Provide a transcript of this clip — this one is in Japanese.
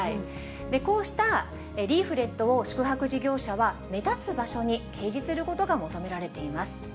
こうしたリーフレットを宿泊事業者は目立つ場所に掲示することが求められています。